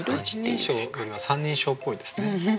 一人称よりは三人称っぽいですね。